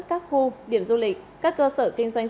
các khu điểm du lịch các cơ sở kinh doanh